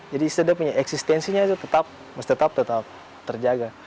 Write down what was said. jadi istilahnya punya eksistensinya itu tetap masih tetap tetap terjaga